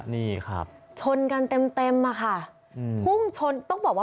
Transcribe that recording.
มีมาแล้ว